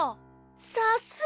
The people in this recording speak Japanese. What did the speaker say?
さすが。